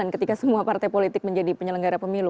ketika semua partai politik menjadi penyelenggara pemilu